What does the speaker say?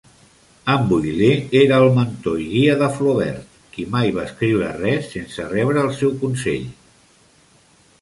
En Bouilhet era el mentor i guia de Flaubert, qui mai va escriure res sense rebre els seu consell.